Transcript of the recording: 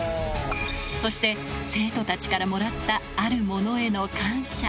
そして、生徒たちからもらったあるものへの感謝。